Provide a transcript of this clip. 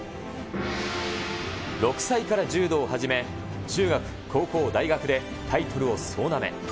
６歳から柔道を始め、中学、高校、大学でタイトルを総なめ。